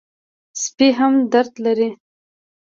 سپي هم درد لري.